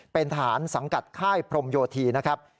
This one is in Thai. เป็นทหารสังกัดค่ายพรมโยธีนะครับ